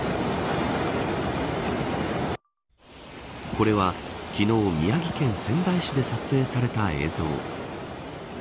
これは昨日宮城県仙台市で撮影された映像。